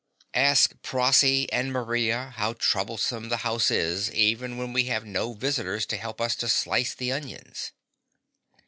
Ask Prossy and Maria how troublesome the house is even when we have no visitors to help us to slice the onions.